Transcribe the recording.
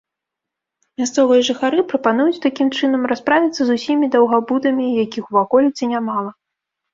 Мясцовыя жыхары прапануюць такім чынам расправіцца з усімі даўгабудамі, якіх у ваколіцы нямала.